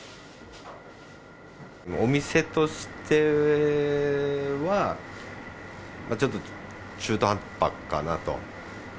お店としては、ちょっと中途半端かなと。